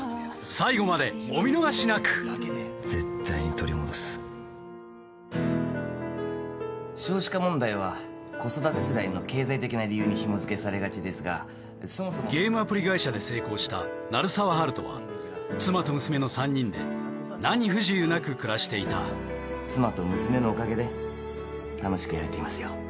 最後までお見逃しなく絶対に取り戻す少子化問題は子育て世代の経済的な理由にひもづけされがちですがゲームアプリ会社で成功した鳴沢温人は妻と娘の３人で何不自由なく暮らしていた妻と娘のおかげで楽しくやれていますよ